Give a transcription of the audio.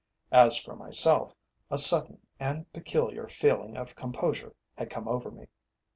As for myself, a sudden, and peculiar, feeling of composure had come over me.